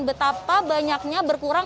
betapa banyaknya berkurang